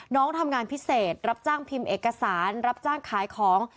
น้องทำงานพิเศษรับจ้างพิมพ์เอกสารรับจ้างขายของ